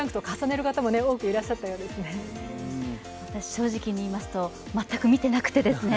正直に言いますと全く見てなくてですね